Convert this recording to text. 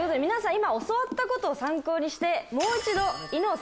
今教わったことを参考にして。